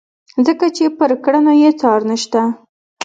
ځکه چې پر کړنو یې څار نشته.